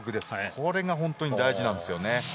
これが本当に大事なんですよね。